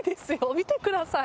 見てください。